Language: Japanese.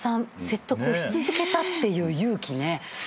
説得し続けたっていう勇気ね。